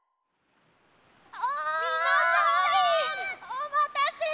おまたせ！